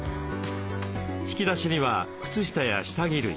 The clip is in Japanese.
引き出しには靴下や下着類。